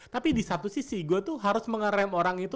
tapi di satu sisi gue tuh harus mengerem orang itu